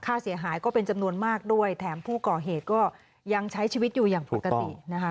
ค่าเสียหายก็เป็นจำนวนมากด้วยแถมผู้ก่อเหตุก็ยังใช้ชีวิตอยู่อย่างปกตินะคะ